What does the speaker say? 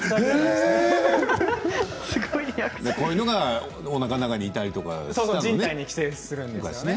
こういうのがおなかの中にいたりするんですね。